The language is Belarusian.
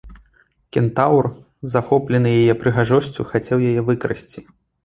Кентаўр, захоплены яе прыгажосцю, хацеў яе выкрасці.